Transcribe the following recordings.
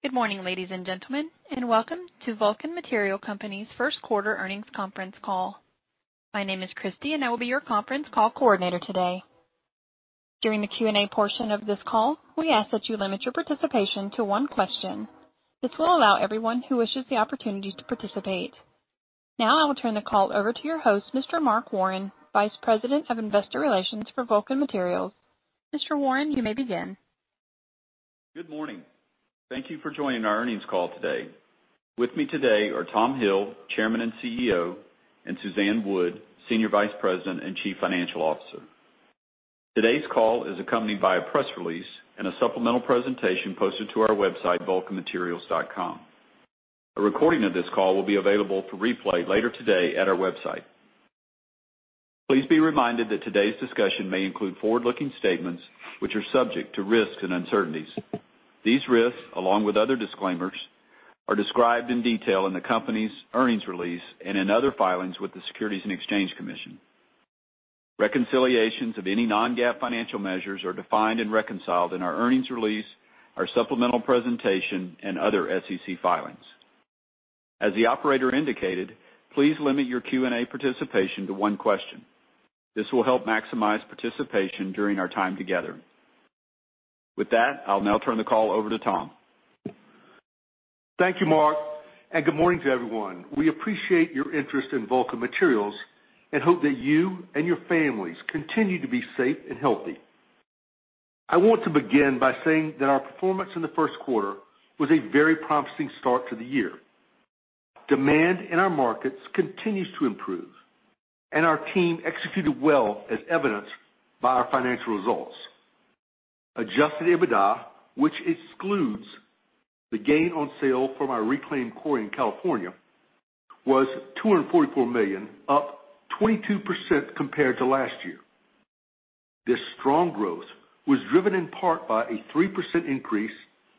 Good morning, ladies and gentlemen, and welcome to Vulcan Materials Company's first quarter earnings conference call. My name is Christy and I will be your conference call coordinator today. During the Q&A portion of this call, we ask that you limit your participation to one question. This will allow everyone who wishes the opportunity to participate. I will turn the call over to your host, Mr. Mark Warren, Vice President of Investor Relations for Vulcan Materials. Mr. Warren, you may begin. Good morning. Thank you for joining our earnings call today. With me today are Tom Hill, Chairman and CEO, and Suzanne Wood, Senior Vice President and Chief Financial Officer. Today's call is accompanied by a press release and a supplemental presentation posted to our website, vulcanmaterials.com. A recording of this call will be available for replay later today at our website. Please be reminded that today's discussion may include forward-looking statements which are subject to risks and uncertainties. These risks, along with other disclaimers, are described in detail in the company's earnings release and in other filings with the Securities and Exchange Commission. Reconciliations of any non-GAAP financial measures are defined and reconciled in our earnings release, our supplemental presentation, and other SEC filings. As the operator indicated, please limit your Q&A participation to one question. This will help maximize participation during our time together. With that, I'll now turn the call over to Tom. Thank you, Mark, and good morning to everyone. We appreciate your interest in Vulcan Materials and hope that you and your families continue to be safe and healthy. I want to begin by saying that our performance in the first quarter was a very promising start to the year. Demand in our markets continues to improve, and our team executed well as evidenced by our financial results. Adjusted EBITDA, which excludes the gain on sale from our reclaimed quarry in California, was $244 million, up 22% compared to last year. This strong growth was driven in part by a 3% increase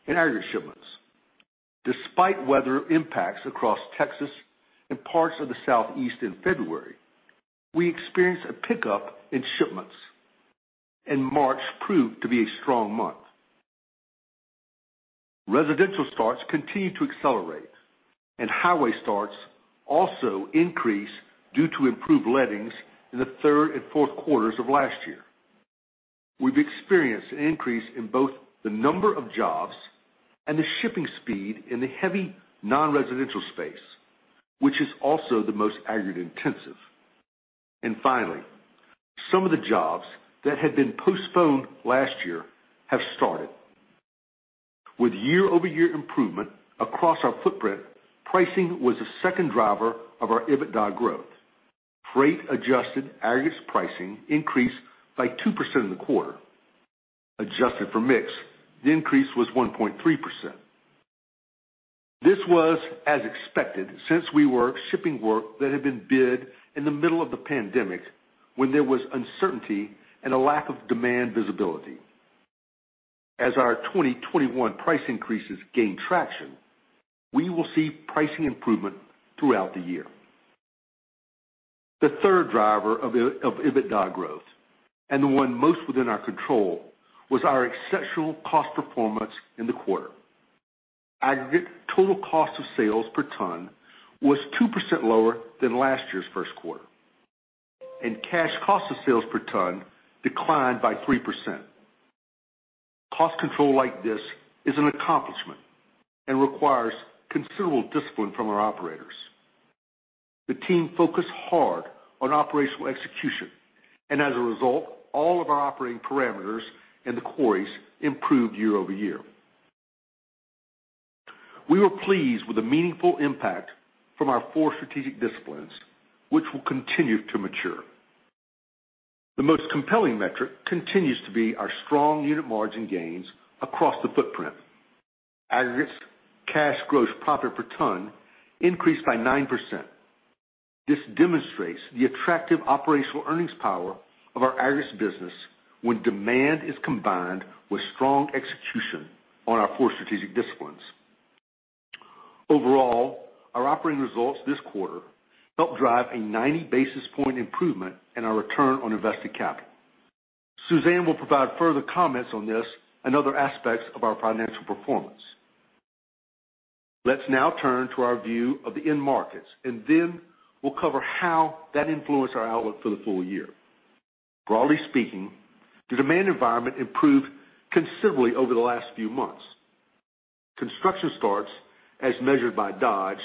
in aggregate shipments. Despite weather impacts across Texas and parts of the Southeast in February, we experienced a pickup in shipments, and March proved to be a strong month. Residential starts continued to accelerate, and highway starts also increased due to improved lettings in the third and fourth quarters of last year. We've experienced an increase in both the number of jobs and the shipping speed in the heavy non-residential space, which is also the most aggregate intensive. Finally, some of the jobs that had been postponed last year have started. With year-over-year improvement across our footprint, pricing was the second driver of our EBITDA growth. Freight adjusted aggregates pricing increased by 2% in the quarter. Adjusted for mix, the increase was 1.3%. This was as expected since we were shipping work that had been bid in the middle of the pandemic when there was uncertainty and a lack of demand visibility. As our 2021 price increases gain traction, we will see pricing improvement throughout the year. The third driver of EBITDA growth, and the one most within our control, was our exceptional cost performance in the quarter. Aggregate total cost of sales per ton was 2% lower than last year's first quarter, and cash cost of sales per ton declined by 3%. Cost control like this is an accomplishment and requires considerable discipline from our operators. The team focused hard on operational execution and as a result, all of our operating parameters in the quarries improved year-over-year. We were pleased with the meaningful impact from our four strategic disciplines, which will continue to mature. The most compelling metric continues to be our strong unit margin gains across the footprint. Aggregates cash gross profit per ton increased by 9%. This demonstrates the attractive operational earnings power of our Aggregates business when demand is combined with strong execution on our four strategic disciplines. Overall, our operating results this quarter helped drive a 90 basis point improvement in our return on invested capital. Suzanne will provide further comments on this and other aspects of our financial performance. Let's now turn to our view of the end markets, and then we'll cover how that influenced our outlook for the full-year. Broadly speaking, the demand environment improved considerably over the last few months. Construction starts, as measured by Dodge,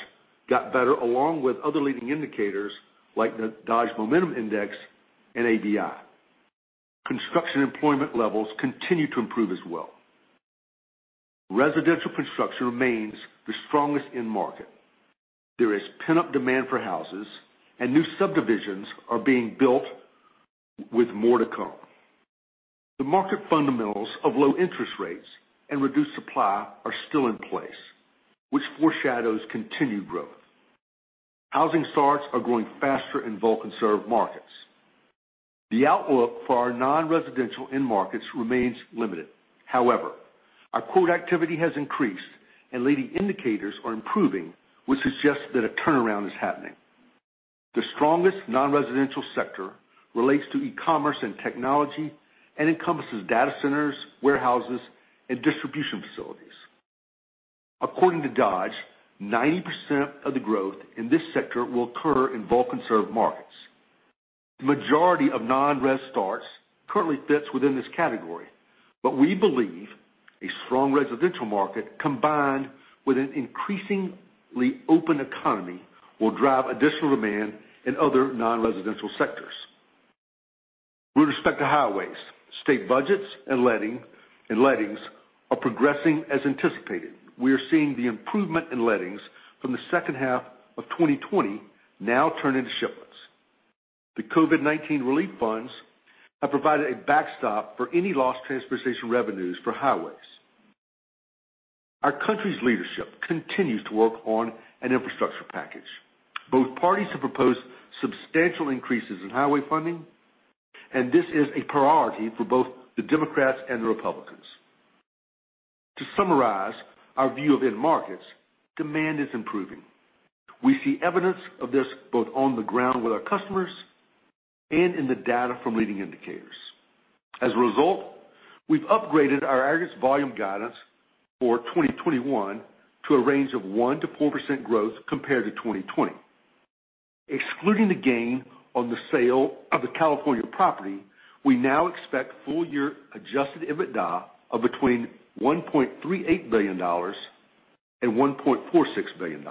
got better along with other leading indicators like the Dodge Momentum Index and ABI. Construction employment levels continue to improve as well. Residential construction remains the strongest end market. There is pent-up demand for houses, and new subdivisions are being built with more to come. The market fundamentals of low interest rates and reduced supply are still in place, which foreshadows continued growth. Housing starts are growing faster in Vulcan served markets. The outlook for our non-residential end markets remains limited. Our quote activity has increased, and leading indicators are improving, which suggests that a turnaround is happening. The strongest non-residential sector relates to e-commerce and technology and encompasses data centers, warehouses, and distribution facilities. According to Dodge, 90% of the growth in this sector will occur in Vulcan-served markets. The majority of non-res starts currently fits within this category, but we believe a strong residential market combined with an increasingly open economy will drive additional demand in other non-residential sectors. With respect to highways, state budgets and lettings are progressing as anticipated. We are seeing the improvement in lettings from the second half of 2020 now turn into shipments. The COVID-19 relief funds have provided a backstop for any lost transportation revenues for highways. Our country's leadership continues to work on an infrastructure package. Both parties have proposed substantial increases in highway funding. This is a priority for both the Democrats and the Republicans. To summarize our view of end markets, demand is improving. We see evidence of this both on the ground with our customers and in the data from leading indicators. As a result, we've upgraded our aggregates volume guidance for 2021 to a range of 1%-4% growth compared to 2020. Excluding the gain on the sale of the California property, we now expect full-year adjusted EBITDA of between $1.38 billion and $1.46 billion.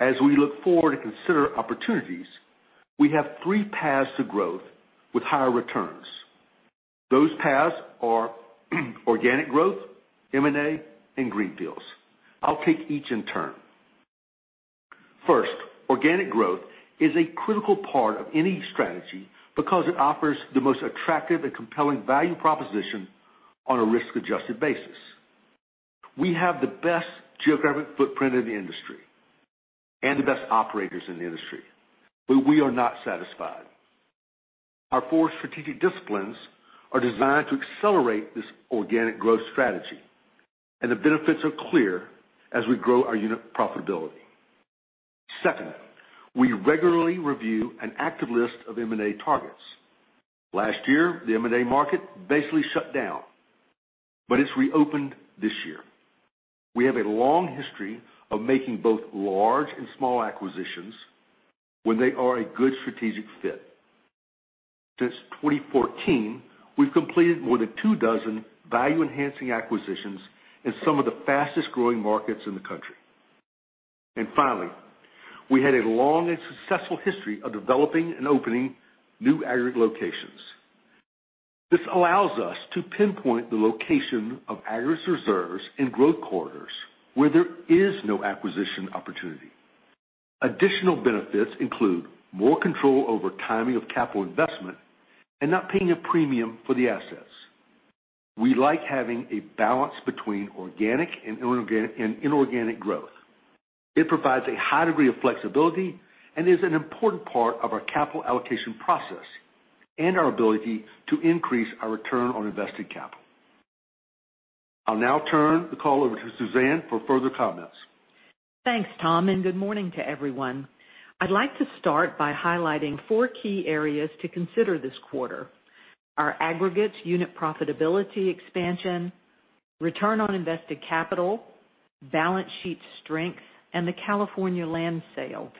As we look forward to consider opportunities, we have three paths to growth with higher returns. Those paths are organic growth, M&A, and greenfields. I'll take each in turn. First, organic growth is a critical part of any strategy because it offers the most attractive and compelling value proposition on a risk-adjusted basis. We have the best geographic footprint in the industry and the best operators in the industry, but we are not satisfied. Our four strategic disciplines are designed to accelerate this organic growth strategy, and the benefits are clear as we grow our unit profitability. Second, we regularly review an active list of M&A targets. Last year, the M&A market basically shut down, but it's reopened this year. We have a long history of making both large and small acquisitions when they are a good strategic fit. Since 2014, we've completed more than two dozen value-enhancing acquisitions in some of the fastest-growing markets inmthe country. Finally, we had a long and successful history of developing and opening new aggregate locations. This allows us to pinpoint the location of aggregates reserves in growth corridors where there is no acquisition opportunity. Additional benefits include more control over timing of capital investment and not paying a premium for the assets. We like having a balance between organic and inorganic growth. It provides a high degree of flexibility and is an important part of our capital allocation process and our ability to increase our return on invested capital. I'll now turn the call over to Suzanne for further comments. Thanks, Tom. Good morning to everyone. I'd like to start by highlighting four key areas to consider this quarter. Our aggregates unit profitability expansion, return on invested capital, balance sheet strength, and the California land sale.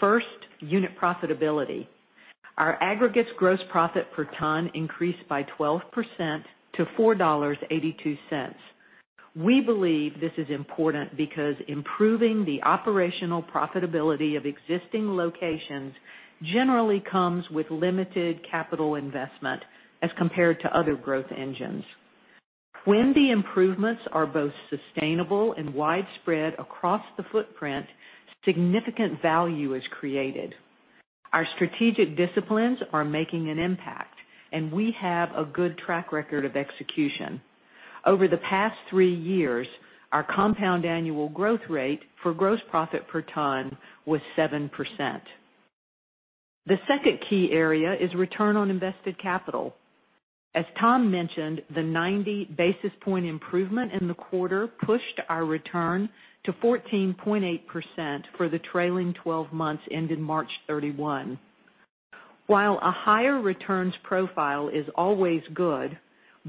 First, unit profitability. Our aggregates gross profit per ton increased by 12% to $4.82. We believe this is important because improving the operational profitability of existing locations generally comes with limited capital investment as compared to other growth engines. When the improvements are both sustainable and widespread across the footprint, significant value is created. Our strategic disciplines are making an impact, and we have a good track record of execution. Over the past three years, our compound annual growth rate for gross profit per ton was 7%. The second key area is return on invested capital. As Tom mentioned, the 90 basis point improvement in the quarter pushed our return to 14.8% for the trailing 12 months ended March 31. While a higher returns profile is always good,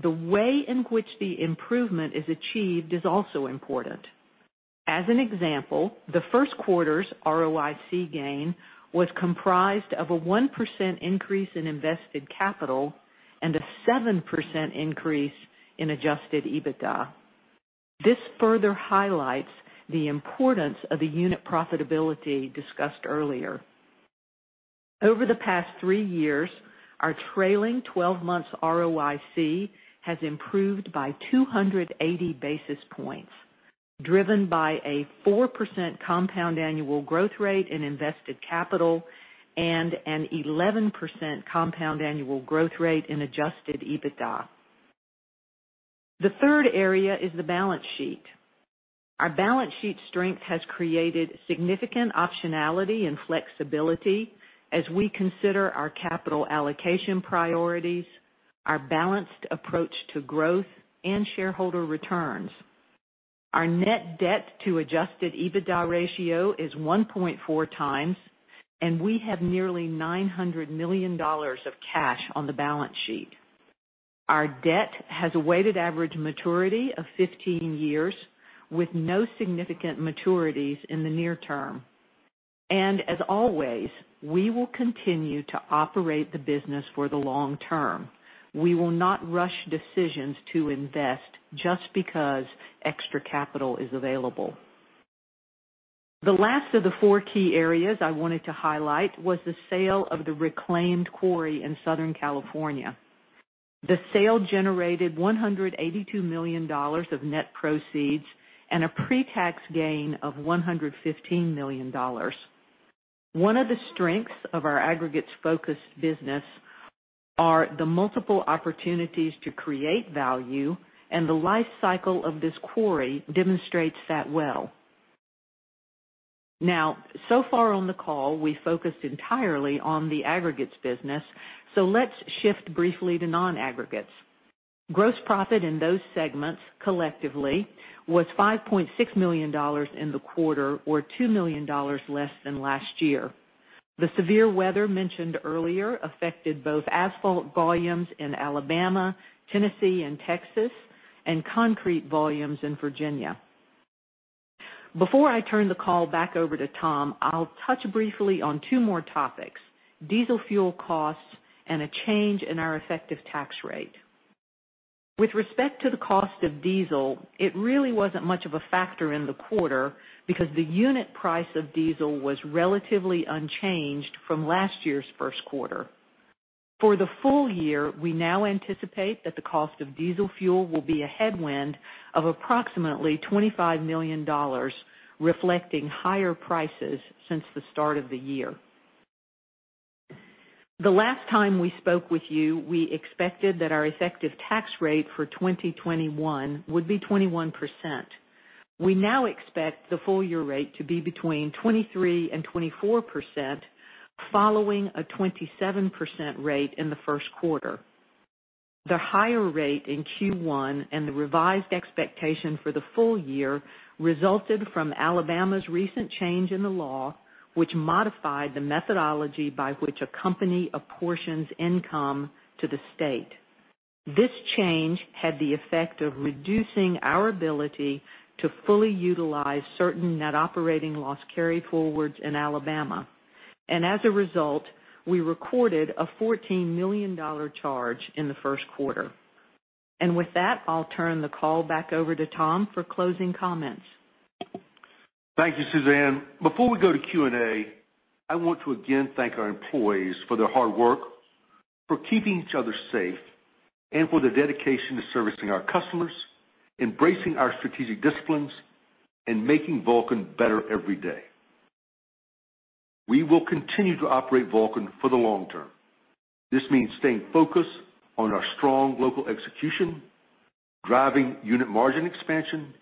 the way in which the improvement is achieved is also important. As an example, the first quarter's ROIC gain was comprised of a 1% increase in invested capital and a 7% increase in adjusted EBITDA. This further highlights the importance of the unit profitability discussed earlier. Over the past three years, our trailing 12 months ROIC has improved by 280 basis points, driven by a 4% compound annual growth rate in invested capital and an 11% compound annual growth rate in adjusted EBITDA. The third area is the balance sheet. Our balance sheet strength has created significant optionality and flexibility as we consider our capital allocation priorities, our balanced approach to growth and shareholder returns. Our net debt to adjusted EBITDA ratio is 1.4x, and we have nearly $900 million of cash on the balance sheet. Our debt has a weighted average maturity of 15 years with no significant maturities in the near term. As always, we will continue to operate the business for the long-term. We will not rush decisions to invest just because extra capital is available. The last of the four key areas I wanted to highlight was the sale of the reclaimed quarry in Southern California. The sale generated $182 million of net proceeds and a pre-tax gain of $115 million. One of the strengths of our aggregates-focused business are the multiple opportunities to create value, and the life cycle of this quarry demonstrates that well. So far on the call, we focused entirely on the aggregates business. Let's shift briefly to non-aggregates. Gross profit in those segments collectively was $5.6 million in the quarter or $2 million less than last year. The severe weather mentioned earlier affected both asphalt volumes in Alabama, Tennessee, and Texas, and concrete volumes in Virginia. Before I turn the call back over to Tom, I'll touch briefly on two more topics, diesel fuel costs and a change in our effective tax rate. With respect to the cost of diesel, it really wasn't much of a factor in the quarter because the unit price of diesel was relatively unchanged from last year's first quarter. For the full-year, we now anticipate that the cost of diesel fuel will be a headwind of approximately $25 million, reflecting higher prices since the start of the year. The last time we spoke with you, we expected that our effective tax rate for 2021 would be 21%. We now expect the full-year rate to be between 23% and 24%, following a 27% rate in the first quarter. The higher rate in Q1 and the revised expectation for the full-year resulted from Alabama's recent change in the law, which modified the methodology by which a company apportions income to the state. This change had the effect of reducing our ability to fully utilize certain net operating loss carryforwards in Alabama. As a result, we recorded a $14 million charge in the first quarter. With that, I'll turn the call back over to Tom for closing comments. Thank you, Suzanne. Before we go to Q&A, I want to again thank our employees for their hard work, for keeping each other safe, and for their dedication to servicing our customers, embracing our strategic disciplines, and making Vulcan better every day. We will continue to operate Vulcan for the long-term. This means staying focused on our strong local execution, driving unit margin expansion,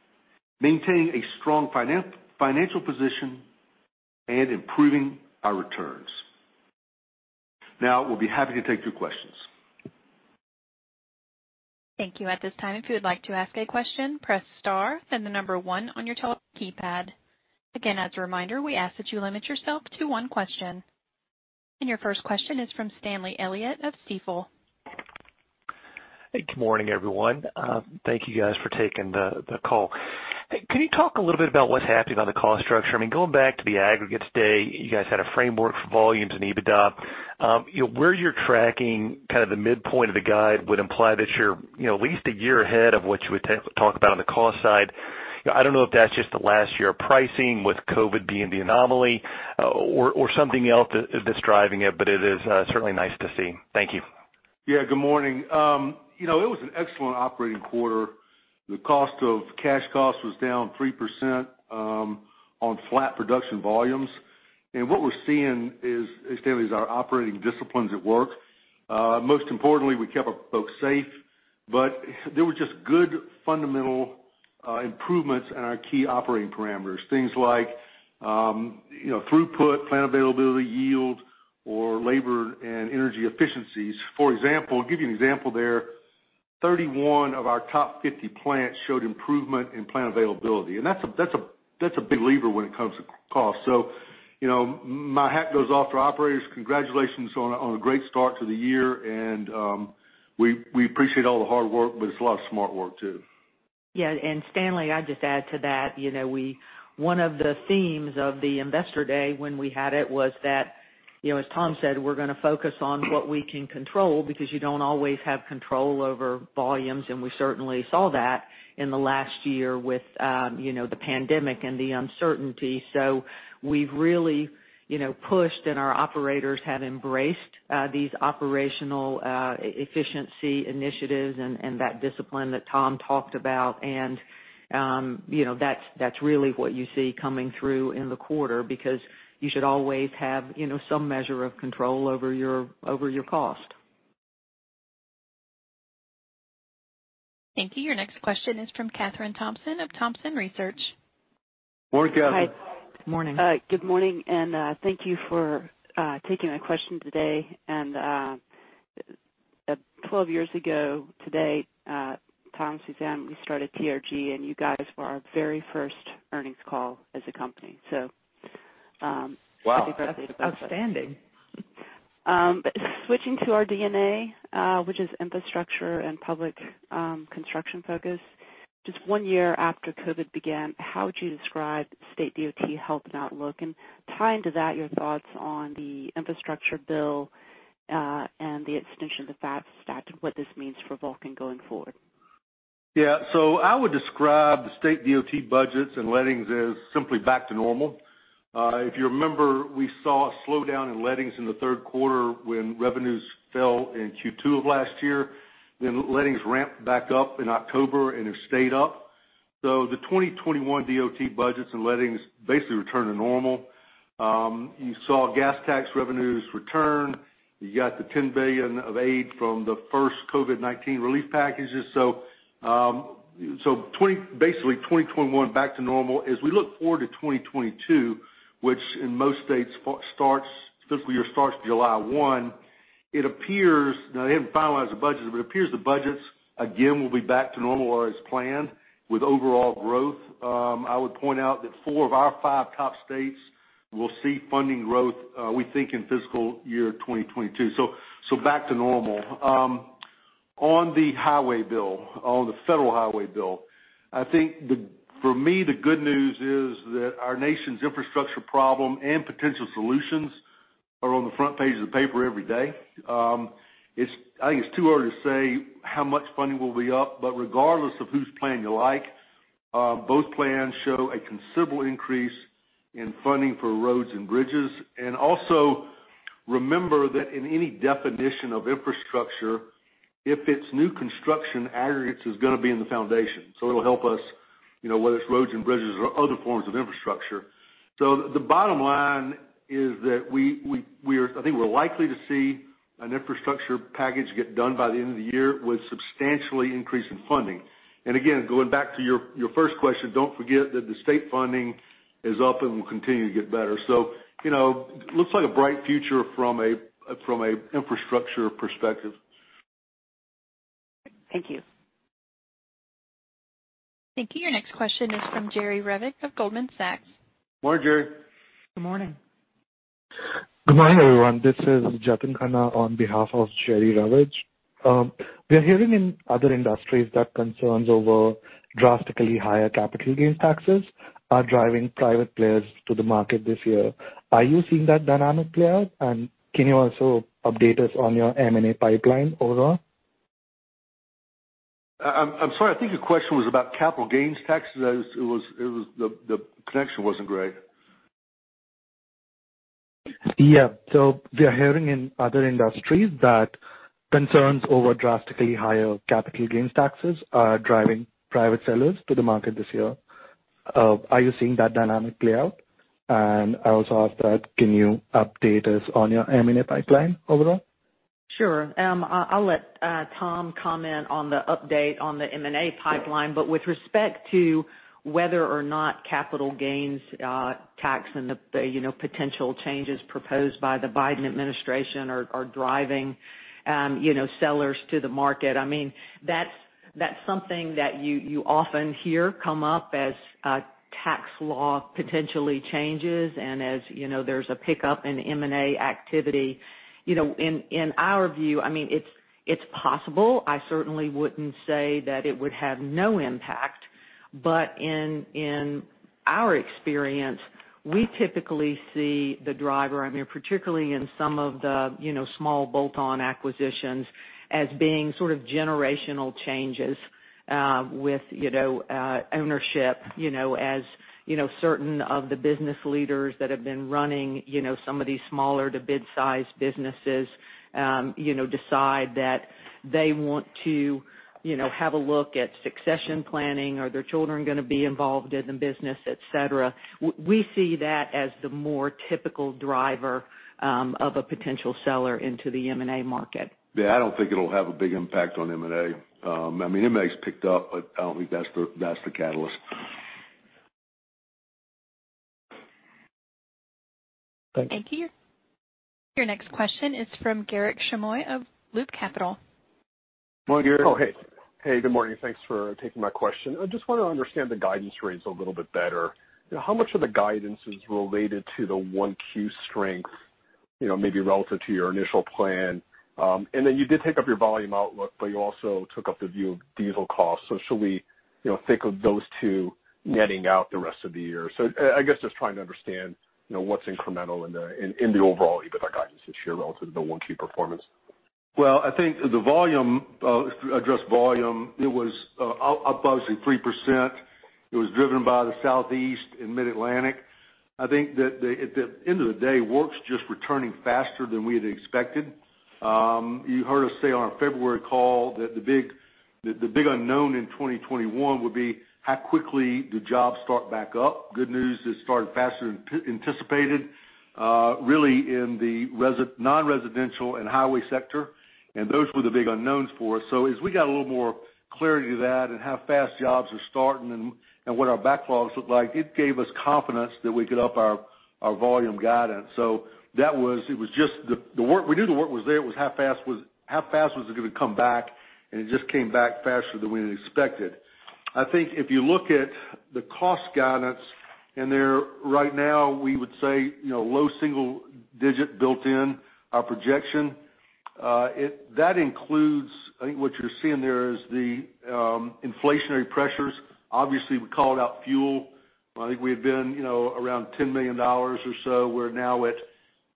maintaining a strong financial position, and improving our returns. We'll be happy to take your questions. Thank you. At this time, if you would like to ask a question, press star, then the number one on your telephone keypad. Again, as a reminder, we ask that you limit yourself to one question. Your first question is from Stanley Elliott of Stifel. Hey, good morning, everyone. Thank you guys for taking the call. Can you talk a little bit about what's happening on the cost structure? Going back to the aggregates day, you guys had a framework for volumes and EBITDA. Where you're tracking kind of the midpoint of the guide would imply that you're at least a year ahead of what you would talk about on the cost side. I don't know if that's just the last year of pricing with COVID being the anomaly or something else that's driving it is certainly nice to see. Thank you. Yeah, good morning. It was an excellent operating quarter. The cost of cash cost was down 3% on flat production volumes. What we're seeing is, Stanley, is our operating disciplines at work. Most importantly, we kept our folks safe, but there were just good fundamental improvements in our key operating parameters. Things like throughput, plant availability, yield, or labor and energy efficiencies. For example, I'll give you an example there. 31 of our top 50 plants showed improvement in plant availability, and that's a big lever when it comes to cost. My hat goes off to our operators. Congratulations on a great start to the year, and we appreciate all the hard work, but it's a lot of smart work, too. Yeah. Stanley, I'd just add to that. One of the themes of the investor day when we had it was that, as Tom said, we're going to focus on what we can control because you don't always have control over volumes, and we certainly sawthat in the last year with the pandemic and the uncertainty. We've really pushed, and our operators have embraced these operational efficiency initiatives and that discipline that Tom talked about. That's really what you see coming through in the quarter because you should always have some measure of control over your cost. Thank you. Your next question is from Kathryn Thompson of Thompson Research. Morning, Kathryn. Hi. Morning. Good morning, and thank you for taking my question today. 12 years ago today, Tom, Suzanne, we started TRG, and you guys were our very first earnings call as a company. Wow. Happy birthday to both of you. Outstanding. Switching to our DNA, which is infrastructure and public construction focus. Just one year after COVID began, how would you describe state DOT health and outlook? Tying to that, your thoughts on the infrastructure bill, and the extension of the FAST Act, and what this means for Vulcan going forward? Yeah. I would describe the state DOT budgets and lettings as simply back to normal. If you remember, we saw a slowdown in lettings in the third quarter when revenues fell in Q2 of last year, then lettings ramped back up in October and have stayed up. The 2021 DOT budgets and lettings basically return to normal. You saw gas tax revenues return. You got the $10 billion of aid from the first COVID-19 relief packages. Basically 2021 back to normal. As we look forward to 2022, which in most states starts, fiscal year starts July 1, it appears, now they haven't finalized the budget, but it appears the budgets again will be back to normal or as planned with overall growth. I would point out that four of our five top states will see funding growth, we think, in fiscal year 2022. Back to normal. On the highway bill, on the federal highway bill, I think for me, the good news is that our nation's infrastructure problem and potential solutions are on the front page of the paper every day. I think it's too early to say how much funding will be up, but regardless of whose plan you like, both plans show a considerable increase in funding for roads and bridges, and also remember that in any definition of infrastructure, if it's new construction, aggregates is gonna be in the foundation. It'll help us, whether it's roads and bridges or other forms of infrastructure. The bottom line is that I think we're likely to see an infrastructure package get done by the end of the year with substantially increase in funding. Again, going back to your first question, don't forget that the state funding is up and will continue to get better. It looks like a bright future from an infrastructure perspective. Thank you. Thank you. Your next question is from Jerry Revich of Goldman Sachs. Morning, Jerry. Good morning. Good morning, everyone. This is Jatin Khanna on behalf of Jerry Revich. We're hearing in other industries that concerns over drastically higher capital gains taxes are driving private players to the market this year. Are you seeing that dynamic play out? Can you also update us on your M&A pipeline overall? I'm sorry. I think your question was about capital gains taxes. The connection wasn't great. Yeah. We're hearing in other industries that concerns over drastically higher capital gains taxes are driving private sellers to the market this year. Are you seeing that dynamic play out? After that, can you update us on your M&A pipeline overall? Sure. I'll let Tom comment on the update on the M&A pipeline. With respect to whether or not capital gains tax and the potential changes proposed by the Biden administration are driving sellers to the market, that's something that you often hear come up as tax law potentially changes and as there's a pickup in M&A activity. In our view, it's possible. I certainly wouldn't say that it would have no impact, but in our experience, we typically see the driver, particularly in some of the small bolt-on acquisitions, as being sort of generational changes with ownership, as certain of the business leaders that have been running some of these smaller to mid-size businesses decide that they want to have a look at succession planning. Are their children gonna be involved in the business, et cetera? We see that as the more typical driver of a potential seller into the M&A market. Yeah, I don't think it'll have a big impact on M&A. I mean, M&A's picked up, but I don't think that's the catalyst. Thank you. Thank you. Your next question is from Garik Shmois of Loop Capital. Morning, Garik. Hey. Good morning. Thanks for taking my question. I just want to understand the guidance rates a little bit better. How much of the guidance is related to the Q1 strength, maybe relative to your initial plan? Then you did take up your volume outlook, you also took up the view of diesel costs. Should we think of those two netting out the rest of the year? I guess just trying to understand what's incremental in the overall EBITDA guidance this year relative to the Q1 performance. Well, I think the volume, to address volume, it was up obviously 3%. It was driven by the Southeast and Mid-Atlantic. I think that at the end of the day, work's just returning faster than we had expected. You heard us say on our February call that the big unknown in 2021 would be how quickly do jobs start back up. Good news is started faster than anticipated, really in the non-residential and highway sector, and those were the big unknowns for us. As we got a little more clarity to that and how fast jobs are starting and what our backlogs look like, it gave us confidence that we could up our volume guidance. We knew the work was there. It was how fast was it gonna come back? It just came back faster than we had expected. I think if you look at the cost guidance in there right now, we would say low single-digit built in our projection. That includes, I think what you're seeing there is the inflationary pressures. Obviously, we called out fuel. I think we had been around $10 million or so. We're now at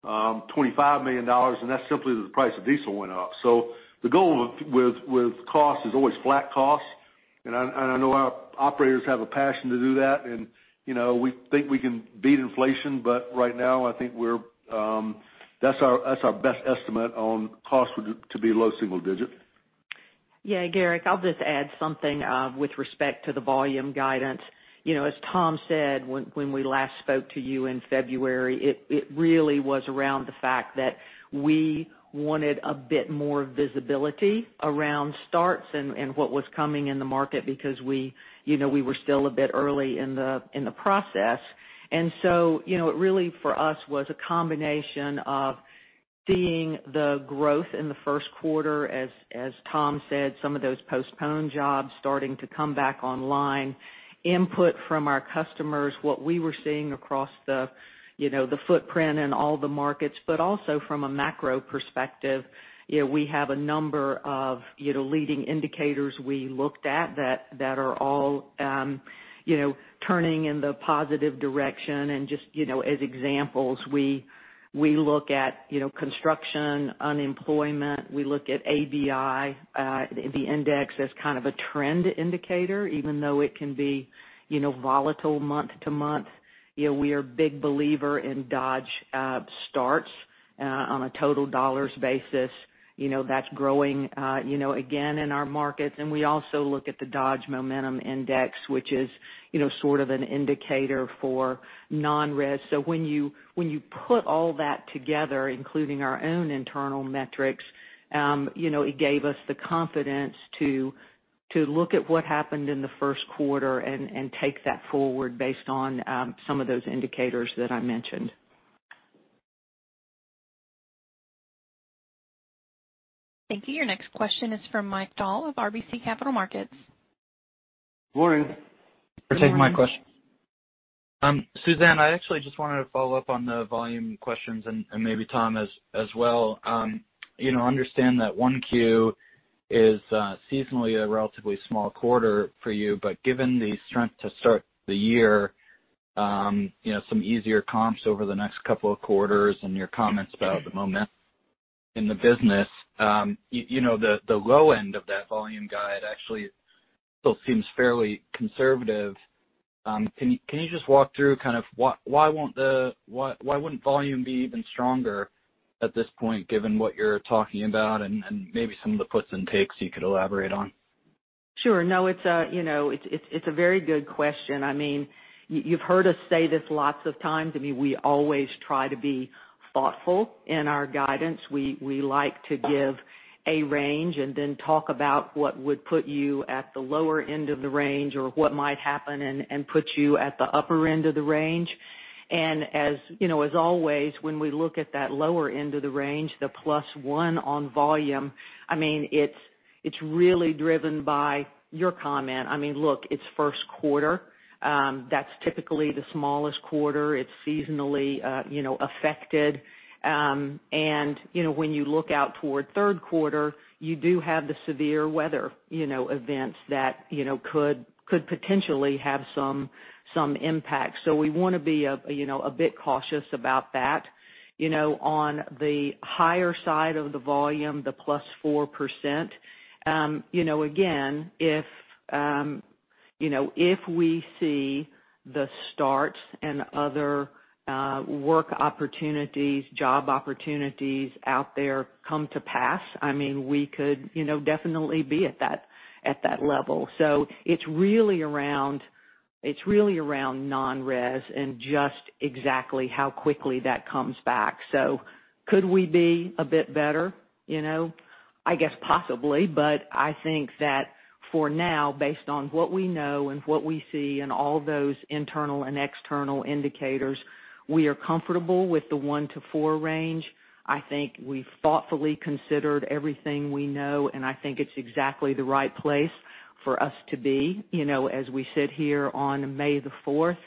$25 million, and that's simply that the price of diesel went up. The goal with cost is always flat cost, and I know our operators have a passion to do that, and we think we can beat inflation, but right now I think that's our best estimate on cost would to be low single-digit. Yeah, Garik, I'll just add something with respect to the volume guidance. As Tom said when we last spoke to you in February, it really was around the fact that we wanted a bit more visibility around starts and what was coming in the market because we were still a bit early in the process. It really, for us, was a combination of seeing the growth in the first quarter as Tom said, some of those postponed jobs starting to come back online, input from our customers, what we were seeing across the footprint and all the markets, but also from a macro perspective, we have a number of leading indicators we looked at that are all turning in the positive direction, and just as examples, we look at construction unemployment. We look at ABI, the index, as kind of a trend indicator, even though it can be volatile month to month. We are a big believer in Dodge starts on a total dollars basis. That's growing again in our markets. We also look at the Dodge Momentum Index, which is sort of an indicator for non-res. When you put all that together, including our own internal metrics, it gave us the confidence to look at what happened in the first quarter and take that forward based on some of those indicators that I mentioned. Thank you. Your next question is from Mike Dahl of RBC Capital Markets. Morning. Morning. Morning. Thanks for taking my question. Suzanne, I actually just wanted to follow up on the volume questions and maybe Tom as well. Understand that Q1 is seasonally a relatively small quarter for you, but given the strength to start the year, some easier comps over the next couple of quarters and your comments about the momentum in the business. The low end of that volume guide actually still seems fairly conservative. Can you just walk through why wouldn't volume be even stronger at this point, given what you're talking about and maybe some of the puts and takes you could elaborate on? Sure. No, it's a very good question. You've heard us say this lots of times. We always try to be thoughtful in our guidance. We like to give a range and then talk about what would put you at the lower end of the range or what might happen and put you at the upper end of the range. As always, when we look at that lower end of the range, the plus one on volume, it's really driven by your comment. Look, it's first quarter. That's typically the smallest quarter. It's seasonally affected. When you look out toward third quarter, you do have the severe weather events that could potentially have some impact. We want to be a bit cautious about that. On the higher side of the volume, the +4%, again, if we see the starts and other work opportunities, job opportunities out there come to pass, we could definitely be at that level. It's really around non-res and just exactly how quickly that comes back. Could we be a bit better? I guess possibly, but I think that for now, based on what we know and what we see and all those internal and external indicators, we are comfortable with the one-four range. I think we've thoughtfully considered everything we know, and I think it's exactly the right place for us to be as we sit here on May the 4th.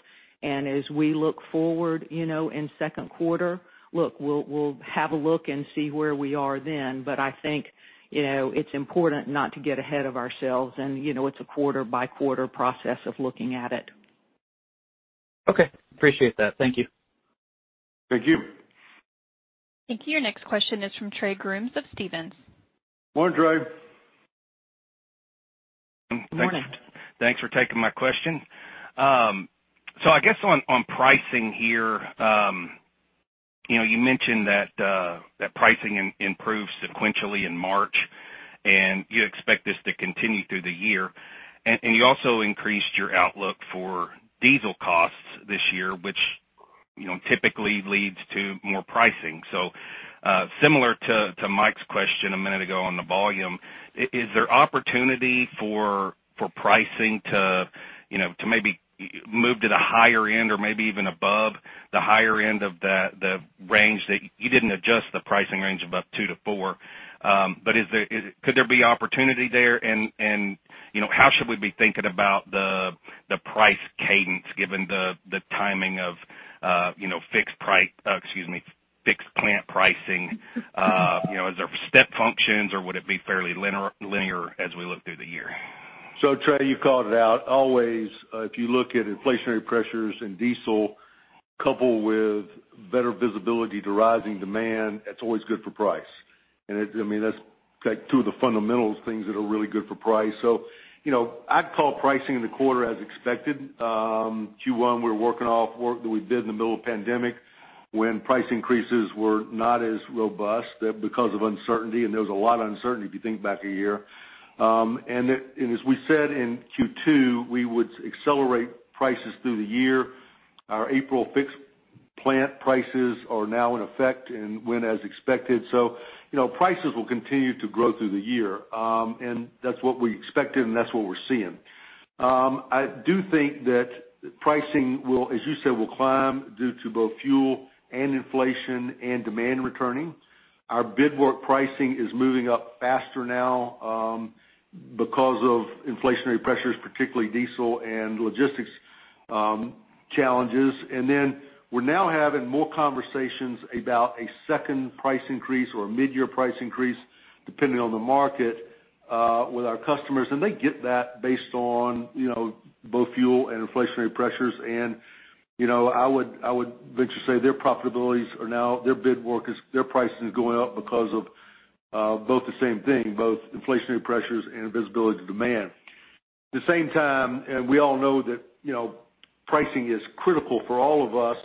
As we look forward in second quarter, look, we'll have a look and see where we are then. I think it's important not to get ahead of ourselves, and it's a quarter-by-quarter process of looking at it. Okay. Appreciate that. Thank you. Thank you. Thank you. Your next question is from Trey Grooms of Stephens. Morning, Trey. Morning. Thanks for taking my question. I guess on pricing here, you mentioned that pricing improved sequentially in March, and you expect this to continue through the year. You also increased your outlook for diesel costs this year, which typically leads to more pricing. Similar to Mike Dahl's question a minute ago on the volume, is there opportunity for pricing to maybe move to the higher end or maybe even above the higher end of the range that you didn't adjust the pricing range above 2%-4%. Could there be opportunity there? The price cadence, given the timing of fixed plant pricing, is there step functions or would it be fairly linear as we look through the year? Trey, you called it out. Always, if you look at inflationary pressures in diesel, coupled with better visibility to rising demand, that's always good for price. That's two of the fundamental things that are really good for price. I'd call pricing in the quarter as expected. Q1, we're working off work that we did in the middle of the pandemic, when price increases were not as robust because of uncertainty, and there was a lot of uncertainty if you think back a year. As we said in Q2, we would accelerate prices through the year. Our April fixed plant prices are now in effect and went as expected. Prices will continue to grow through the year. That's what we expected, and that's what we're seeing. I do think that pricing will, as you said, will climb due to both fuel and inflation and demand returning. Our bid work pricing is moving up faster now because of inflationary pressures, particularly diesel and logistics challenges. Then we're now having more conversations about a second price increase or a mid-year price increase, depending on the market, with our customers. They get that based on both fuel and inflationary pressures. I would venture to say their profitabilities, their bid work, their pricing is going up because of both the same thing, both inflationary pressures and visibility to demand. At the same time, and we all know that pricing is critical for all of us,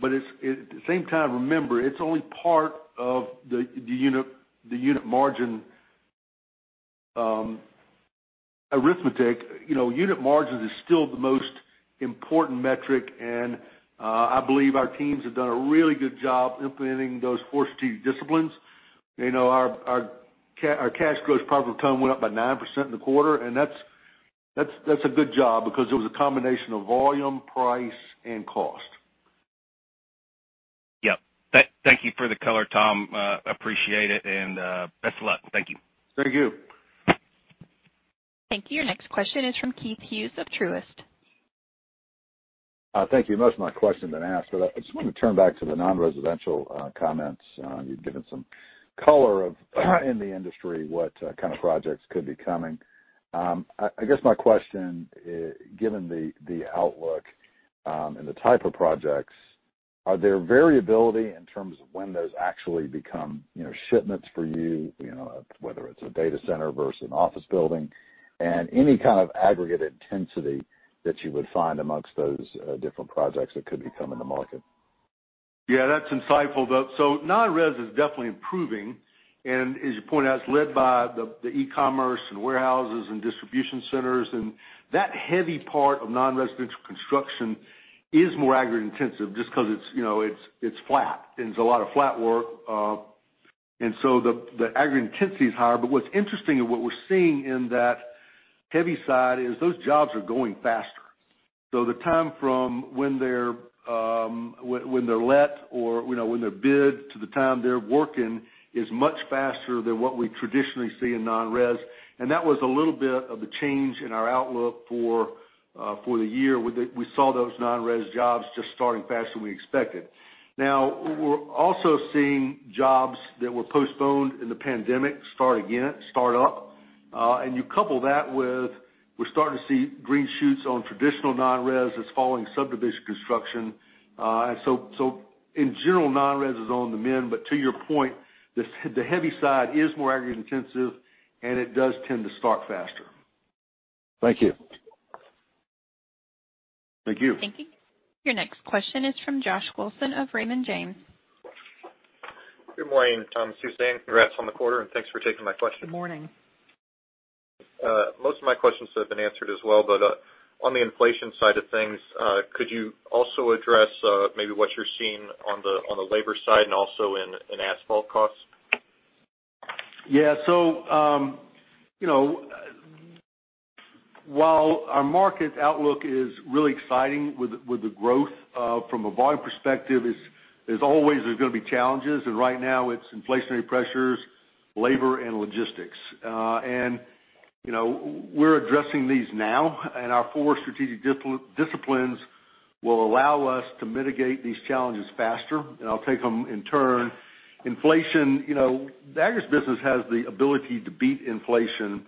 but at the same time, remember, it's only part of the unit margin arithmetic. Unit margin is still the most important metric, and I believe our teams have done a really good job implementing those four strategic disciplines. Our cash gross profit ton went up by 9% in the quarter, and that's a good job because it was a combination of volume, price, and cost. Yep. Thank you for the color, Tom. Appreciate it. Best of luck. Thank you. Thank you. Thank you. Your next question is from Keith Hughes of Truist. Thank you. Most of my question has been asked. I just want to turn back to the non-residential comments. You've given some color of in the industry what kind of projects could be coming. I guess my question, given the outlook and the type of projects, are there variability in terms of when those actually become shipments for you, whether it's a data center versus an office building? Any kind of aggregate intensity that you would find amongst those different projects that could be coming to market? Yeah, that's insightful, though. Non-res is definitely improving. As you point out, it's led by the e-commerce and warehouses and distribution centers. That heavy part of non-residential construction is more aggregate intensive just because it's flat, and it's a lot of flat work. The aggregate intensity is higher. What's interesting and what we're seeing in that heavy side is those jobs are going faster. The time from when they're let or when they're bid to the time they're working is much faster than what we traditionally see in non-res. That was a little bit of a change in our outlook for the year. We saw those non-res jobs just starting faster than we expected. Now, we're also seeing jobs that were postponed in the pandemic start again, start up. You couple that with, we're starting to see green shoots on traditional non-res. It's following subdivision construction. In general, non-res is on the mend, but to your point, the heavy side is more aggregate intensive, and it does tend to start faster. Thank you. Thank you. Thank you. Your next question is from Josh Wilson of Raymond James. Good morning, Tom, Suzanne. Congrats on the quarter, and thanks for taking my question. Good morning. Most of my questions have been answered as well, but on the inflation side of things, could you also address maybe what you're seeing on the labor side and also in asphalt costs? While our market outlook is really exciting with the growth from a volume perspective, there's always going to be challenges. Right now it's inflationary pressures, labor, and logistics. We're addressing these now, and our four strategic disciplines will allow us to mitigate these challenges faster. I'll take them in turn. Inflation. The aggregates business has the ability to beat inflation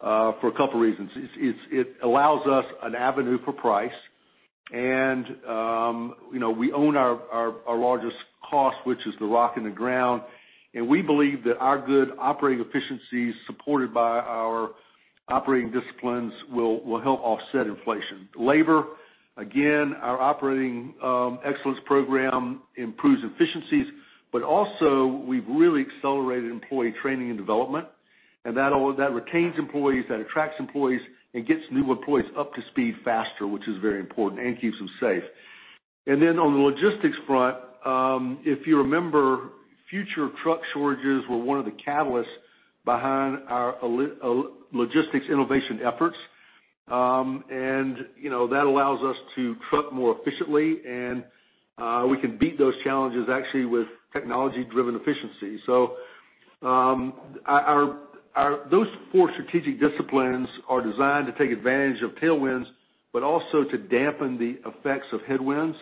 for a couple of reasons. It allows us an avenue for price. We own our largest cost, which is the rock in the ground. We believe that our good operating efficiencies supported by our operating disciplines will help offset inflation. Labor, again, our operating excellence program improves efficiencies, but also we've really accelerated employee training and development. That retains employees, that attracts employees, and gets new employees up to speed faster, which is very important, and keeps them safe. On the logistics front, if you remember, future truck shortages were one of the catalysts behind our logistics innovation efforts. That allows us to truck more efficiently, and we can beat those challenges actually with technology-driven efficiency. Those four strategic disciplines are designed to take advantage of tailwinds, but also to dampen the effects of headwinds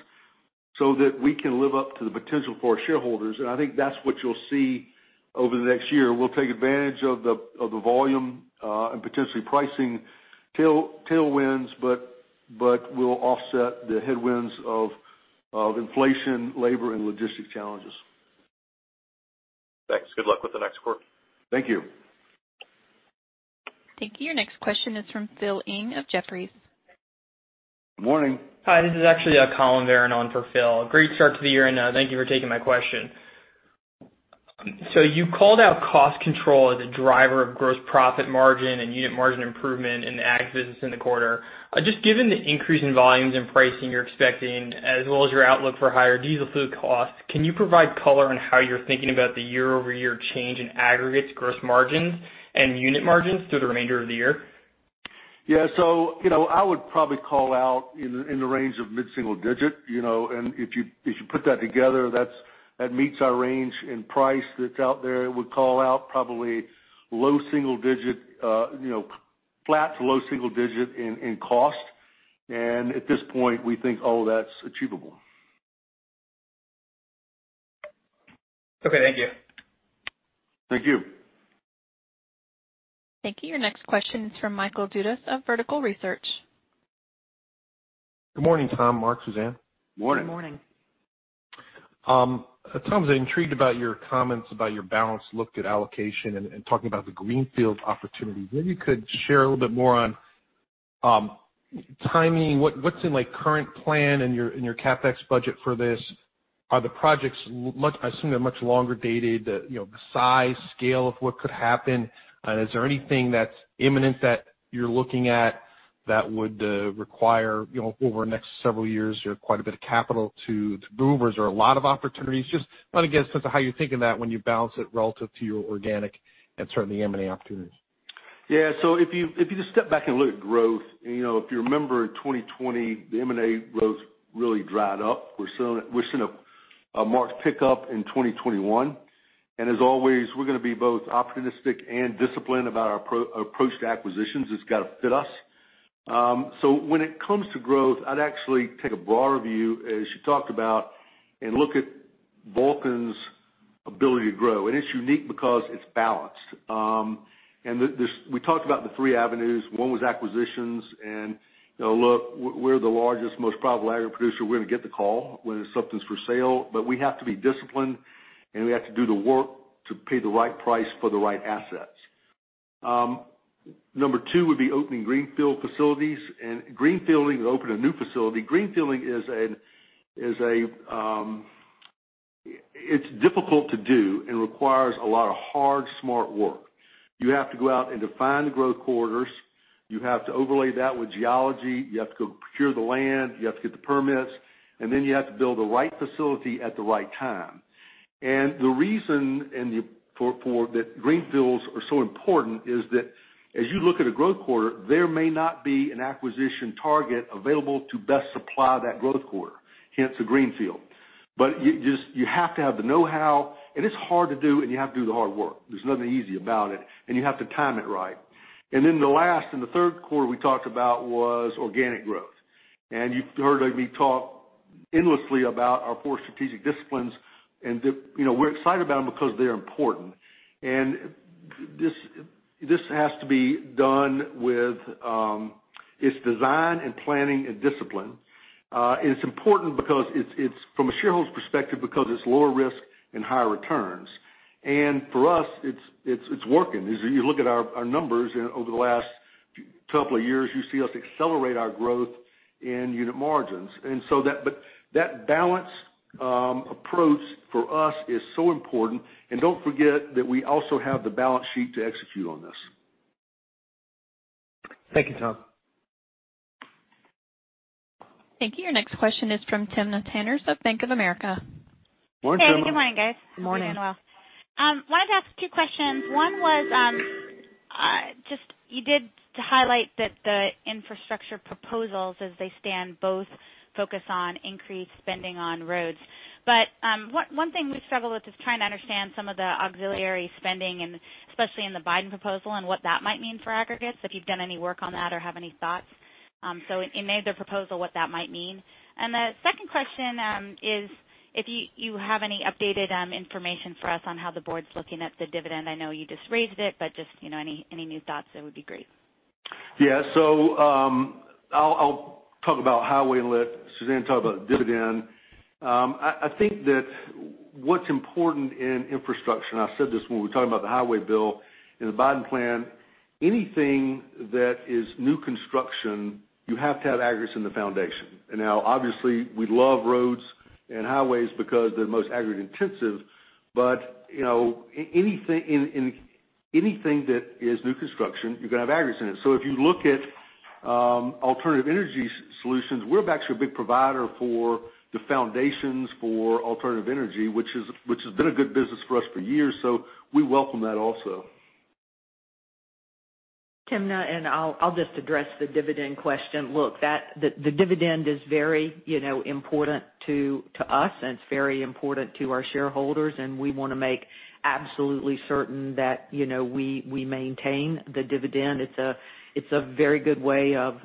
so that we can live up to the potential for our shareholders. I think that's what you'll see over the next year. We'll take advantage of the volume, and potentially pricing tailwinds, but we'll offset the headwinds of inflation, labor, and logistics challenges. Thanks. Good luck with the next quarter. Thank you. Thank you. Your next question is from Philip Ng of Jefferies. Morning. Hi, this is actually Colin Verran on for Phil. Great start to the year, thank you for taking my question. You called out cost control as a driver of gross profit margin and unit margin improvement in the aggregates business in the quarter. Just given the increase in volumes and pricing you're expecting, as well as your outlook for higher diesel fuel costs, can you provide color on how you're thinking about the year-over-year change in aggregates gross margins and unit margins through the remainder of the year? Yeah. I would probably call out in the range of mid-single-digit. If you put that together, that meets our range in price that's out there. It would call out probably flat to low single-digit in cost. At this point, we think all that's achievable. Okay. Thank you. Thank you. Thank you. Your next question is from Michael Dudas of Vertical Research. Good morning, Tom, Mark, Suzanne. Morning. Good morning. Tom, I was intrigued about your comments about your balanced look at allocation and talking about the greenfield opportunity. Maybe you could share a little bit more on timing. What's in current plan in your CapEx budget for this? Are the projects, I assume, they're much longer dated, the size, scale of what could happen. Is there anything that's imminent that you're looking at that would require over the next several years, quite a bit of capital to move, or is there are a lot of opportunities? Just want to get a sense of how you're thinking that when you balance it relative to your organic and certainly M&A opportunities. Yeah. If you just step back and look at growth, if you remember 2020, the M&A growth really dried up. We're seeing a marked pickup in 2021, and as always, we're going to be both opportunistic and disciplined about our approach to acquisitions. It's got to fit us. When it comes to growth, I'd actually take a broader view, as you talked about, and look at Vulcan's ability to grow. It's unique because it's balanced. We talked about the three avenues. One was acquisitions, and look, we're the largest, most profitable aggregate producer. We're going to get the call when there's something's for sale, but we have to be disciplined, and we have to do the work to pay the right price for the right assets. Number two would be opening greenfield facilities. Greenfielding, open a new facility, greenfielding, it's difficult to do and requires a lot of hard, smart work. You have to go out and define the growth corridors. You have to overlay that with geology. You have to go procure the land. You have to get the permits, and then you have to build the right facility at the right time. The reason that greenfields are so important is that as you look at a growth quarter, there may not be an acquisition target available to best supply that growth quarter, hence the greenfield. You have to have the knowhow, and it's hard to do, and you have to do the hard work. There's nothing easy about it, and you have to time it right. Then the last and the third core we talked about was organic growth. You've heard me talk endlessly about our four strategic disciplines, and we're excited about them because they're important. This has to be done with its design and planning and discipline. It's important from a shareholder's perspective, because it's lower risk and higher returns. For us, it's working. As you look at our numbers over the last couple of years, you see us accelerate our growth in unit margins. That balanced approach for us is so important, and don't forget that we also have the balance sheet to execute on this. Thank you, Tom. Thank you. Your next question is from Timna Tanners of Bank of America. Morning, Timna. Hey, good morning, guys. Morning. Suzanne Wood. Wanted to ask two questions. One was, you did highlight that the infrastructure proposals, as they stand, both focus on increased spending on roads. One thing we struggle with is trying to understand some of the auxiliary spending, and especially in the Biden proposal, and what that might mean for aggregates, if you've done any work on that or have any thoughts. In either proposal, what that might mean. The second question is if you have any updated information for us on how the board's looking at the dividend. I know you just raised it, but just any new thoughts, that would be great. I'll talk about highway and let Suzanne talk about dividend. I think that what's important in infrastructure, and I said this when we were talking about the highway bill in the Biden plan, anything that is new construction, you have to have aggregates in the foundation. Now obviously, we love roads and highways because they're the most aggregate intensive, but anything that is new construction, you're going to have aggregates in it. If you look at alternative energy solutions, we're actually a big provider for the foundations for alternative energy, which has been a good business for us for years. We welcome that also. Timna, I'll just address the dividend question. Look, the dividend is very important to us, and it's very important to our shareholders, and we want to make absolutely certain that we maintain the dividend. It's a very good way of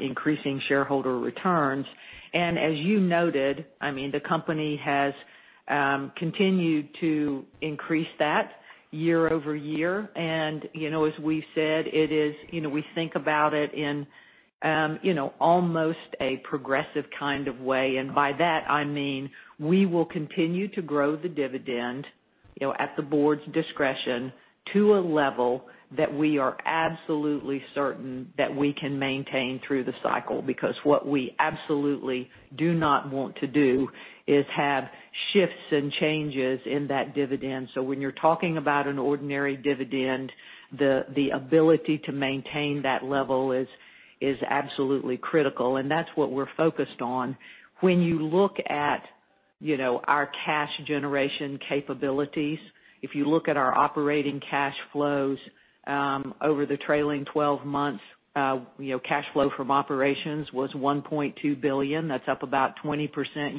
increasing shareholder returns. As you noted, the company has continued to increase that year-over-year. As we've said, we think about it in almost a progressive kind of way. By that, I mean, we will continue to grow the dividend, at the board's discretion, to a level that we are absolutely certain that we can maintain through the cycle. What we absolutely do not want to do is have shifts and changes in that dividend. When you're talking about an ordinary dividend, the ability to maintain that level is absolutely critical, and that's what we're focused on. When you look at our cash generation capabilities, if you look at our operating cash flows over the trailing 12 months, cash flow from operations was $1.2 billion. That's up about 20%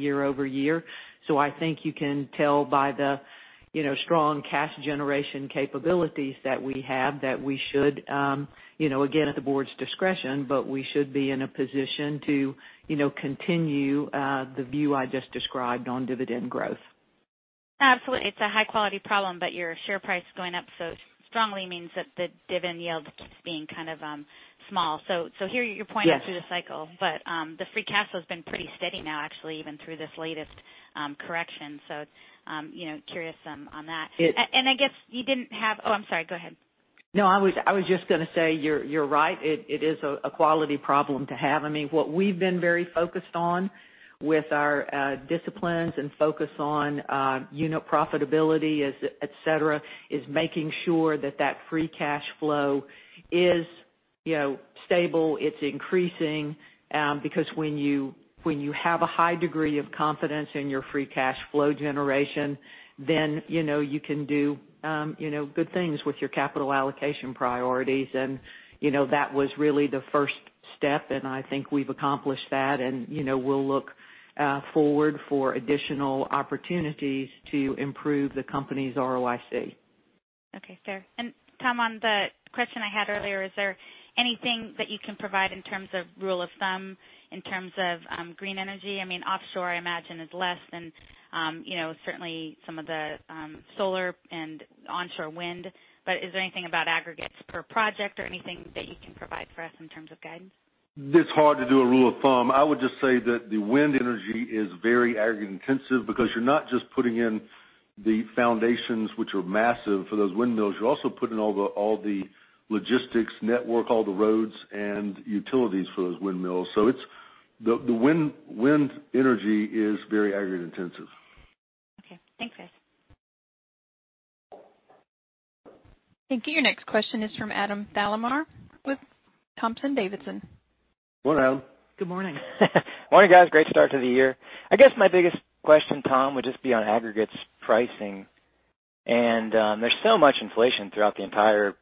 year-over-year. I think you can tell by the strong cash generation capabilities that we have, that we should, again, at the board's discretion, but we should be in a position to continue the view I just described on dividend growth. Absolutely. It's a high-quality problem. Your share price going up so strongly means that the dividend yield keeps being kind of small. Here, you're pointing- Yes through the cycle. The free cash flow's been pretty steady now, actually, even through this latest correction. Curious on that. It- Oh, I'm sorry. Go ahead. No, I was just going to say, you're right. It is a quality problem to have. What we've been very focused on with our disciplines and focus on unit profitability, et cetera, is making sure that that free cash flow is stable, it's increasing. Because when you have a high degree of confidence in your free cash flow generation, then you can do good things with your capital allocation priorities. That was really the first step, and I think we've accomplished that, and we'll look forward for additional opportunities to improve the company's ROIC. Okay, fair. Tom, on the question I had earlier, is there anything that you can provide in terms of rule of thumb in terms of green energy? Offshore, I imagine, is less than certainly some of the solar and onshore wind. Is there anything about aggregates per project or anything that you can provide for us in terms of guidance? It's hard to do a rule of thumb. I would just say that the wind energy is very aggregate intensive because you're not just putting in the foundations, which are massive for those windmills. You're also putting all the logistics network, all the roads, and utilities for those windmills. The wind energy is very aggregate intensive. Okay. Thanks, guys. Thank you. Your next question is from Adam Thalhimer with Thompson Davis & Co. Morning, Adam. Good morning. Morning, guys. Great start to the year. I guess my biggest question, Tom, would just be on aggregates pricing. There's so much inflation throughout the entire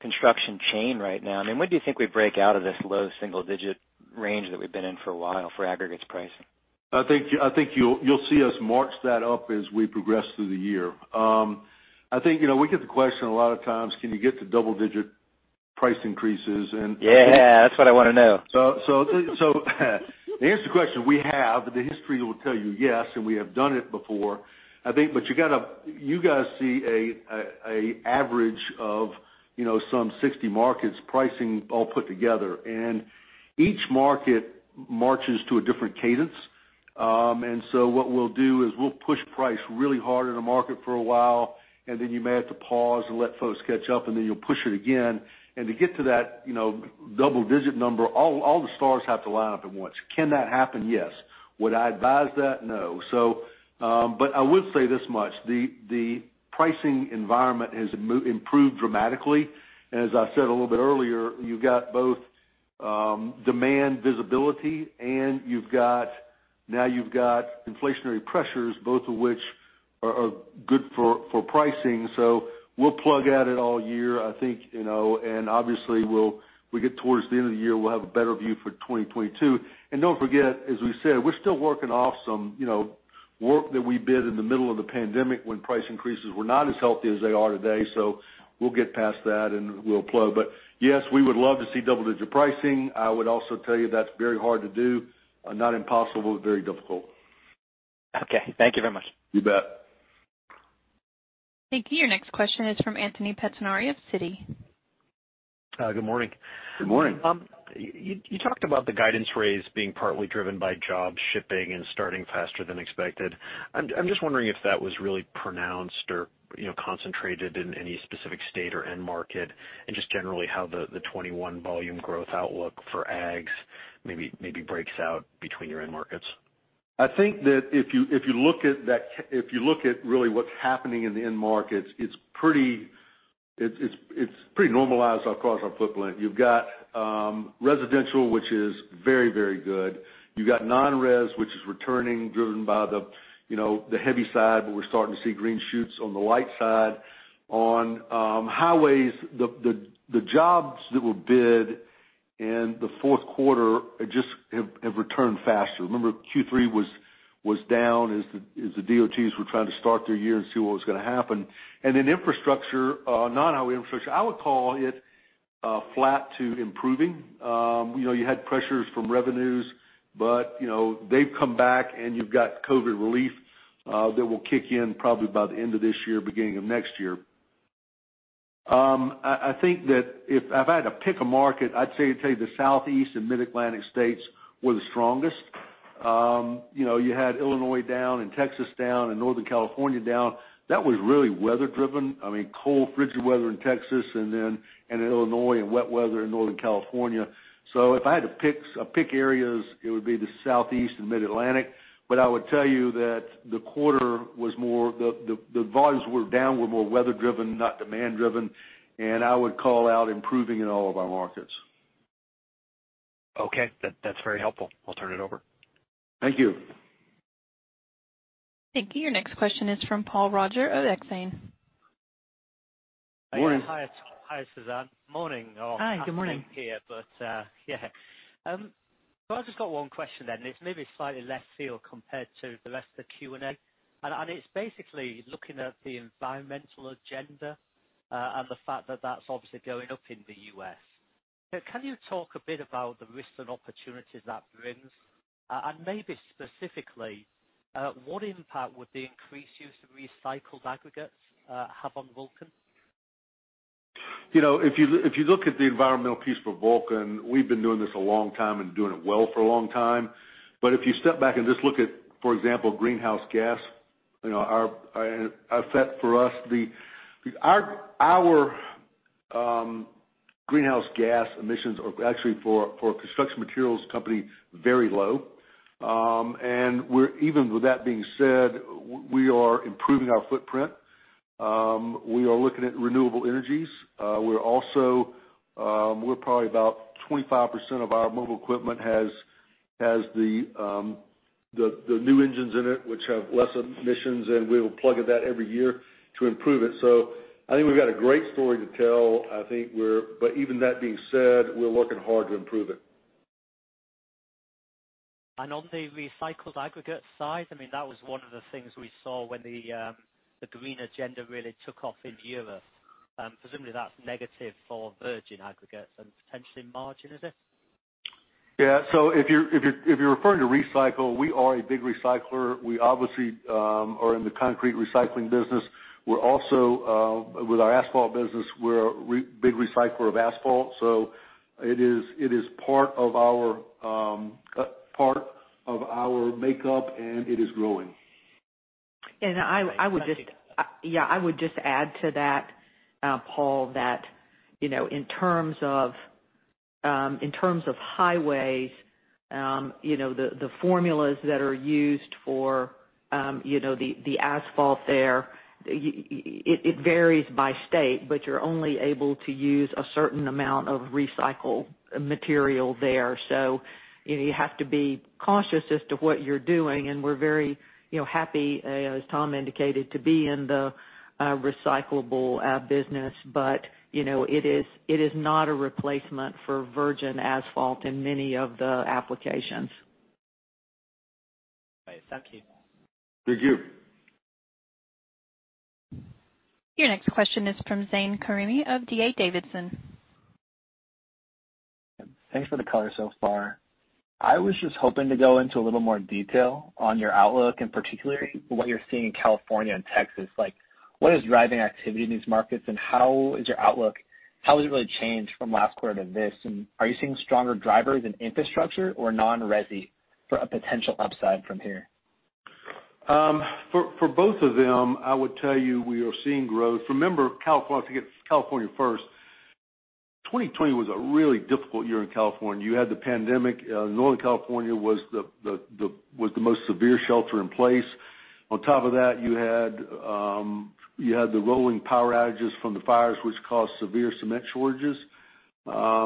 construction chain right now. When do you think we break out of this low double-digit range that we've been in for a while for aggregates pricing? I think you'll see us march that up as we progress through the year. I think we get the question a lot of times, can you get to double-digit price increases? Yeah. That's what I want to know. To answer your question, we have. The history will tell you yes, and we have done it before. You guys see a average of some 60 markets' pricing all put together, and each market marches to a different cadence. What we'll do is we'll push price really hard in a market for a while, and then you may have to pause and let folks catch up, and then you'll push it again. To get to that double-digit number, all the stars have to line up at once. Can that happen? Yes. Would I advise that? No. I would say this much, the pricing environment has improved dramatically. As I said a little bit earlier, you've got both demand visibility, and now you've got inflationary pressures, both of which are good for pricing. We'll plug at it all year, I think. Obviously, we'll get towards the end of the year, we'll have a better view for 2022. Don't forget, as we said, we're still working off some work that we bid in the middle of the pandemic when price increases were not as healthy as they are today. We'll get past that, and we'll plow. Yes, we would love to see double-digit pricing. I would also tell you that's very hard to do. Not impossible, but very difficult. Okay. Thank you very much. You bet. Thank you. Your next question is from Anthony Pettinari of Citi. Good morning. Good morning. You talked about the guidance raise being partly driven by jobs shipping and starting faster than expected. I'm just wondering if that was really pronounced or concentrated in any specific state or end market, and just generally how the 2021 volume growth outlook for aggs maybe breaks out between your end markets. I think that if you look at really what's happening in the end markets, it's pretty normalized across our footprint. You've got residential, which is very, very good. You've got non-res, which is returning, driven by the heavy side, but we're starting to see green shoots on the light side. On highways, the jobs that were bid in the fourth quarter just have returned faster. Remember, Q3 was down as the DOTs were trying to start their year and see what was going to happen. Then infrastructure, non-highway infrastructure, I would call it flat to improving. You had pressures from revenues, but they've come back and you've got COVID relief that will kick in probably by the end of this year, beginning of next year. I think that if I had to pick a market, I'd say the Southeast and Mid-Atlantic states were the strongest. You had Illinois down and Texas down and Northern California down. That was really weather driven. I mean, cold, frigid weather in Texas and in Illinois, and wet weather in Northern California. If I had to pick areas, it would be the Southeast and Mid-Atlantic. I would tell you that the volumes were down, were more weather driven, not demand driven, and I would call out improving in all of our markets. Okay. That's very helpful. I'll turn it over. Thank you. Thank you. Your next question is from Paul Roger of Exane. Morning. Hi, Suzanne. Morning. Hi. Good morning. Afternoon here, yeah. I've just got one question, it's maybe slightly left field compared to the rest of the Q&A, it's basically looking at the environmental agenda, the fact that that's obviously going up in the U.S. Can you talk a bit about the risks and opportunities that brings? Maybe specifically, what impact would the increased use of recycled aggregates have on Vulcan? If you look at the environmental piece for Vulcan, we've been doing this a long time and doing it well for a long time. If you step back and just look at, for example, greenhouse gas, our asset for us, our greenhouse gas emissions are actually, for a construction materials company, very low. Even with that being said, we are improving our footprint. We are looking at renewable energies. We're probably about 25% of our mobile equipment has the new engines in it, which have less emissions, and we will plug at that every year to improve it. I think we've got a great story to tell. Even that being said, we're working hard to improve it. On the recycled aggregate side, I mean, that was one of the things we saw when the green agenda really took off in Europe. Presumably, that's negative for virgin aggregates and potentially margin, is it? Yeah. If you're referring to recycle, we are a big recycler. We obviously are in the concrete recycling business. With our asphalt business, we're a big recycler of asphalt. It is part of our makeup, and it is growing. And I would just- I understand. Yeah. I would just add to that, Paul, that in terms of highways, the formulas that are used for the asphalt there, it varies by state, but you're only able to use a certain amount of recycled material there. You have to be cautious as to what you're doing, and we're very happy, as Tom indicated, to be in the recyclable business. It is not a replacement for virgin asphalt in many of the applications. Right. Thank you. Thank you. Your next question is from Zain Karimi of D.A. Davidson. Thanks for the color so far. I was just hoping to go into a little more detail on your outlook and particularly what you're seeing in California and Texas. What is driving activity in these markets, and how is your outlook? How has it really changed from last quarter to this? Are you seeing stronger drivers in infrastructure or non-resi for a potential upside from here? For both of them, I would tell you we are seeing growth. Remember, I'll take California first. 2020 was a really difficult year in California. You had the pandemic. Northern California was the most severe shelter in place. On top of that, you had the rolling power outages from the fires, which caused severe cement shortages. I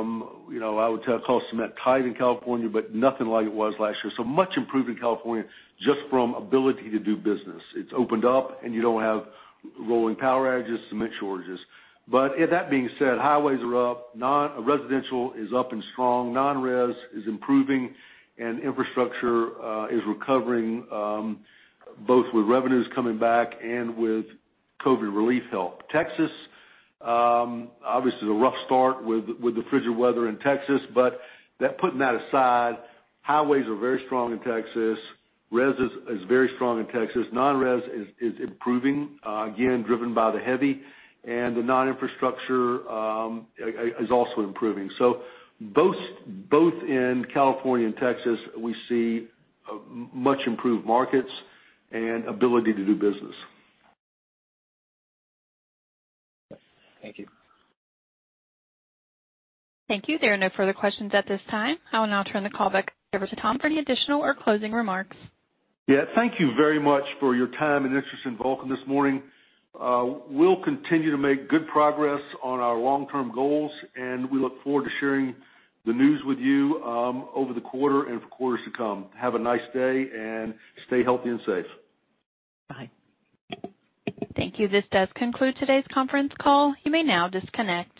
would call cement tight in California, nothing like it was last year. Much improved in California just from ability to do business. It's opened up, you don't have rolling power outages, cement shortages. That being said, highways are up. Residential is up and strong. Non-res is improving, infrastructure is recovering, both with revenues coming back and with COVID relief help. Texas, obviously, is a rough start with the frigid weather in Texas. Putting that aside, highways are very strong in Texas. Res is very strong in Texas. Non-res is improving, again, driven by the heavy, and the non-infrastructure is also improving. Both in California and Texas, we see much improved markets and ability to do business. Thank you. Thank you. There are no further questions at this time. I will now turn the call back over to Tom for any additional or closing remarks. Yeah. Thank you very much for your time and interest in Vulcan this morning. We'll continue to make good progress on our long-term goals, and we look forward to sharing the news with you over the quarter and for quarters to come. Have a nice day, and stay healthy and safe. Bye. Thank you. This does conclude today's conference call. You may now disconnect.